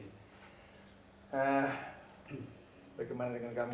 nah bagaimana dengan kamu